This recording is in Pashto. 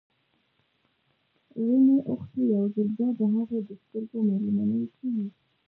رڼې اوښکې يو ځل بيا د هغې د سترګو مېلمنې شوې.